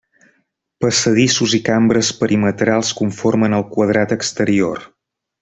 Passadissos i cambres perimetrals conformen el quadrat exterior.